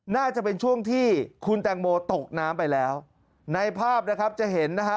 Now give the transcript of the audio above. น่าจะเป็นช่วงที่คุณแตงโมตกน้ำไปแล้วในภาพนะครับจะเห็นนะฮะ